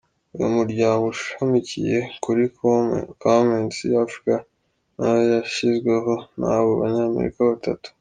Uyu muryango ushamikiye kuri “Come and See Africa” nayo yashyizweho n’abo banyamerika batatu.